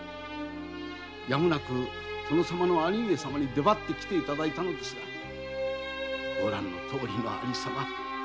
やむなく殿様の兄上様に来ていただいたのですがご覧のとおりの有様。